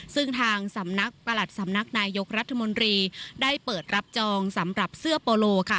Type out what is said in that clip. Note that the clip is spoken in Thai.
ซึ่งทางสำนักประหลัดสำนักนายยกรัฐมนตรีได้เปิดรับจองสำหรับเสื้อโปโลค่ะ